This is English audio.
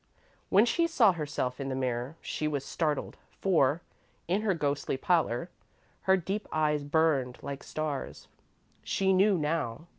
When she saw herself in the mirror, she was startled, for, in her ghostly pallor, her deep eyes burned like stars. She knew, now.